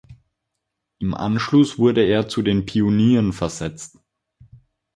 Im Anschluss wurde er zu den Pionieren versetzt.